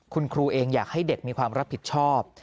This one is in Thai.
คุณครูเองอยากให้เด็กมีความรับผิดชอบ